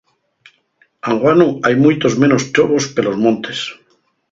Anguanu hai muitos menos ḷḷobos pelos montes.